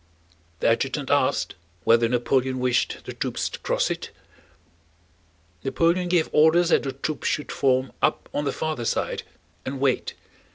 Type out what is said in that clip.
The adjutant asked whether Napoleon wished the troops to cross it? Napoleon gave orders that the troops should form up on the farther side and wait.